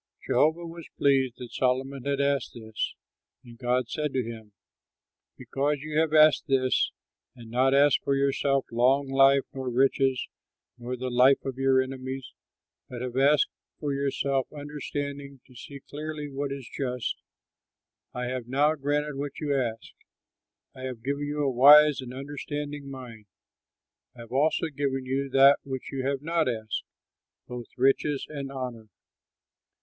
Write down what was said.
Jehovah was pleased that Solomon had asked this; and God said to him, "Because you have asked this and have not asked for yourself long life nor riches nor the life of your enemies, but have asked for yourself understanding to see clearly what is just, I have now granted what you ask; I have given you a wise and understanding mind. I have also given you that which you have not asked, both riches and honor."